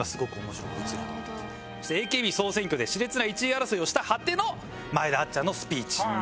ＡＫＢ総選挙で熾烈な１位争いをした果ての前田あっちゃんのスピーチ。